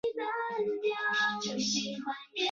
一直觉得文笔不错